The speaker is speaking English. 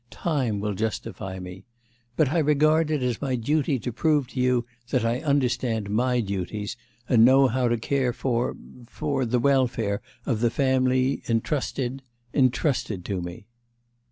Time will justify me. But I regard it as my duty to prove to you that I understand my duties, and know how to care for for the welfare of the family entrusted entrusted to me.